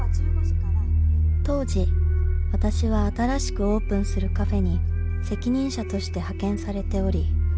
［当時私は新しくオープンするカフェに責任者として派遣されており］